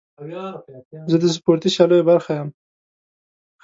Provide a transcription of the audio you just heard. زه د سپورتي سیالیو برخه یم.